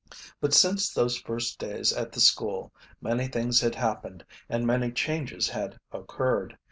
But since those first days at the school many things had happened and many changes had occurred.